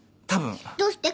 どうして？